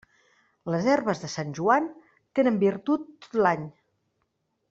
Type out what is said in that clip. Les herbes de Sant Joan tenen virtut tot l'any.